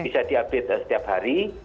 bisa diupdate setiap hari